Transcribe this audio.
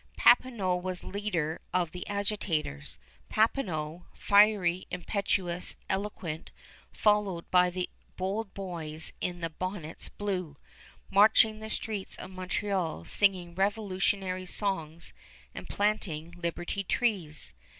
Papineau was leader of the agitators, Papineau, fiery, impetuous, eloquent, followed by the bold boys in the bonnets blue, marching the streets of Montreal singing revolutionary songs and planting liberty trees.